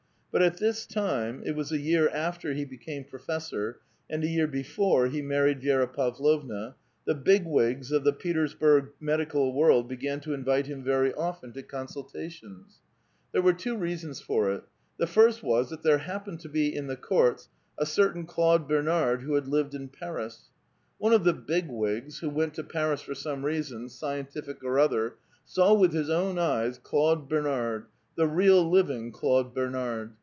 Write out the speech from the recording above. But at this time — it was a year after he became professor, and a year before he married Vi6ra Pavlovna — the Big Wigs of the Petersbui^ medical world began to invite him very often to consultations. A VITAL QUESTION'. 401 There were two reasons for it. The first was that there hap pened to be in the courts a certain Claude Bernard who had lived in Paris. One of the Big Wigs, who went to Paris for some reason, scientific or other, saw with his own eyes Claude Bernard, — the real living Claude Bernard.